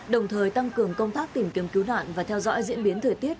đồng thời tăng cường công tác tìm kiếm cứu nạn và theo dõi diễn biến thời tiết